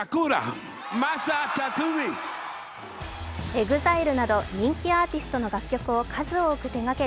ＥＸＩＬＥなど人気アーティストの楽曲を数多く手がける